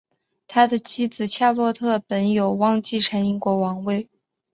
他的妻子夏洛特本有望继承英国王位。